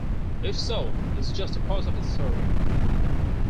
If so, its just a part of a story.